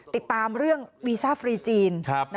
ติดตามเรื่องวีซ่าฟรีจีน